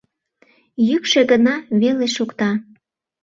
Йӱкшӧ гына веле шокта.